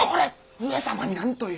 上様に何という！